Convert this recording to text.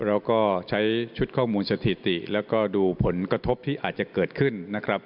เราก็ใช้ชุดข้อมูลสถิติแล้วก็ดูผลกระทบที่อาจจะเกิดขึ้นนะครับ